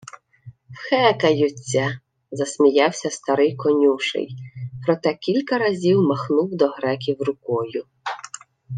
— Вхекаються, — засміявся старий конюший, проте кілька разів махнув до греків рукою.